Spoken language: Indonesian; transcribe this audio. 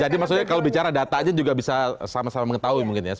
jadi maksudnya kalau bicara data aja juga bisa sama sama mengetahui mungkin ya